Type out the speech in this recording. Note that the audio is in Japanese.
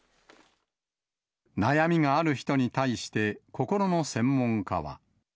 悩みがある人に対して、こころの専門家は。